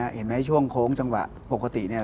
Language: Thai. เห็นไหมช่วงโค้งจังหวะปกติเนี่ย